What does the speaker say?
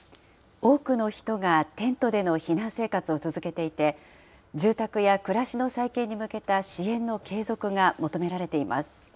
多くの人がテントでの避難生活を続けていて、住宅や暮らしの再建に向けた支援の継続が求められています。